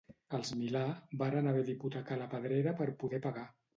Els Milà varen haver d'hipotecar la Pedrera per poder pagar.